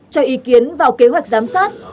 cho ý kiến vào kế hoạch giám sát